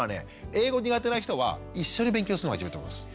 英語苦手な人は一緒に勉強するのが一番いいと思います。